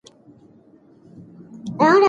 وینه بهېدنه اندېښنه پیدا کوي.